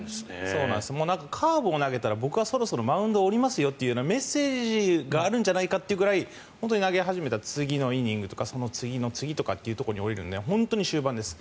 カーブを投げたら僕はそろそろマウンドを降りますよっていうメッセージがあるんじゃないかっていうくらい本当に投げ始めた次のイニングとかその次の次とかに降りるので本当に終盤です。